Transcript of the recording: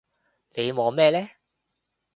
你望咩呢？